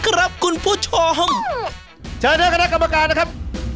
คุณผู้ชมเชิญด้วยคณะกรรมการนะครับ